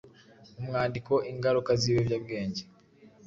Umwandiko: Ingaruka z’ibiyobyabwenge